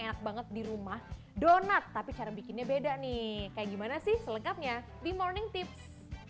enak banget di rumah donat tapi cara bikinnya beda nih kayak gimana sih selengkapnya di morning tips